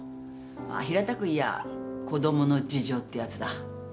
まあ平たく言やぁ子供の事情ってやつだ。